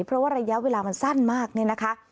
เพราะว่าระยะเวลามันสั้นมากเนี่ยนะคะ